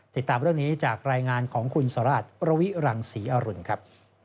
ติดตามเรื่องนี้จากรายงานของคุณสหรัฐประวิรังศรีอรุณครับ